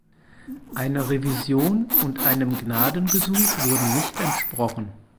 Einer Revision und einem Gnadengesuch wurden nicht entsprochen.